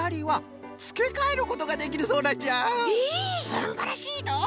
すんばらしいのう！